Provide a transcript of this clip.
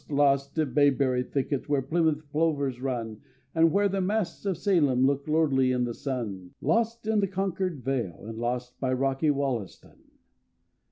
lost in bayberry thickets Where Plymouth plovers run, And where the masts of Salem Look lordly in the sun; Lost in the Concord vale, and lost By rocky Wollaston!